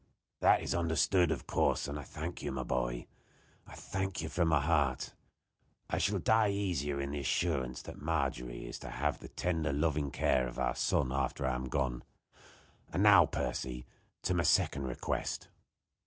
"That is understood, of course, and I thank you, my boy I thank you from my heart. I shall die easier in the assurance that Margery is to have the tender, loving care of our son after I am gone. And now, Percy, to my second request."